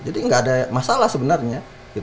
jadi nggak ada masalah sebenarnya